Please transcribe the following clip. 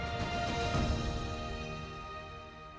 keruganan dari sudah meninggal